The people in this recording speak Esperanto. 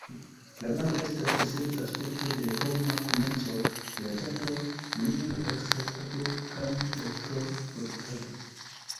La maro estas esenca aspekto de homa komerco, vojaĝado, mineral-ekstraktado, kaj elektro-produktado.